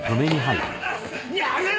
やめろ！